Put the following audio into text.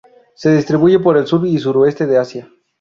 Se distribuye por el sur y sureste de Asia.